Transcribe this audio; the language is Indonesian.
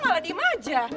malah diem aja